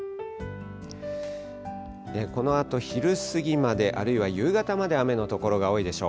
このあと昼過ぎまで、あるいは夕方まで雨の所が多いでしょう。